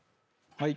はい。